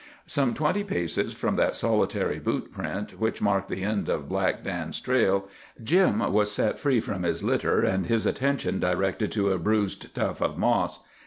Some twenty paces from that solitary boot print which marked the end of Black Dan's trail, Jim was set free from his litter and his attention directed to a bruised tuft of moss.